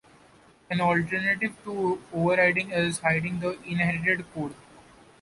An alternative to overriding is hiding the inherited code.